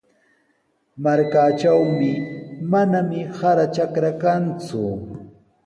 Markaatrawmi manami sara trakra kanku.